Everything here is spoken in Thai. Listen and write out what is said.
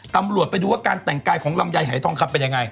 ตำรวจไปดูว่าการแต่งกายของลำไยหายทองคำเป็นยังไง